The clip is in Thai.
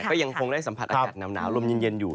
ก็ยังคงได้สัมผัสอากาศหนาวลมเย็นอยู่